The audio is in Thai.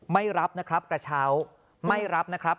ไม่รับนะครับกระเช้าไม่รับนะครับ